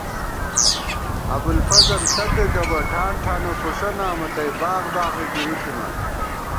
ابُوالفضل ݪپےگہ بہ ٹھانٹھانہ فُݭہ نامہ تئ باغ باغہ گِری تھِمان